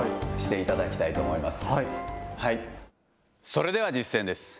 それでは実践です。